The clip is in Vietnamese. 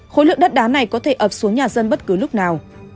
khối lượng đất đá này có thể ập xuống nhà dân bất cứ lúc nào